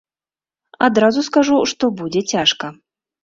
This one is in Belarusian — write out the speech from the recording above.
Адразу скажу, што будзе цяжка.